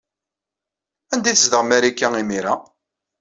Anda ay tezdeɣ Marika, imir-a?